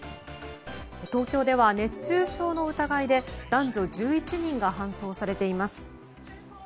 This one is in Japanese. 東京では熱中症の疑いで男女１１人が搬送されています。